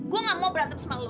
gue gak mau berantem sama gue